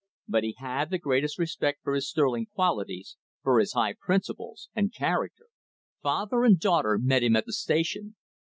But he had the greatest respect for his sterling qualities, for his high principles and character. Father and daughter met him at the station.